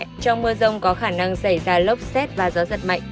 trong mưa rông có khả năng xảy ra lốc xét và gió giật mạnh